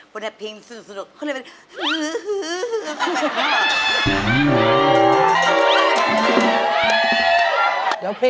ก็แข็งสุดเขาเลยแย้นนี่